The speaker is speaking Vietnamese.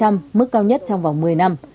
mức cao nhất trong vòng một mươi năm